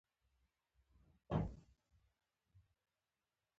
که دا چینی نه وای نو دا پسه موږ نه غلو وړی و.